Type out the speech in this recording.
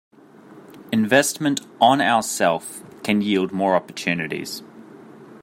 Investment on our self can yield more opportunities.